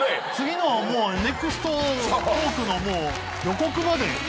ネクストトークの予告まで。